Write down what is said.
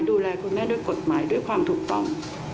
ดูแลคุณแม่ด้วยกฎหมายด้วยความถูกต้อง